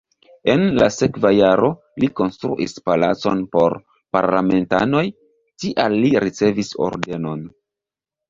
En la sekva jaro li konstruis palacon por parlamentanoj, tial li ricevis ordenon.